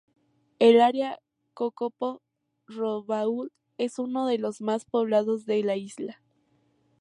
El área Kokopo-Rabaul es uno de los más poblados de la isla.